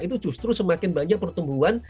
itu justru semakin banyak pertumbuhan